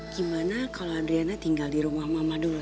gimana kalau adriana tinggal di rumah mama dulu